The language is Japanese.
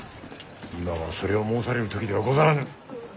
今はそれを申される時ではござらぬ。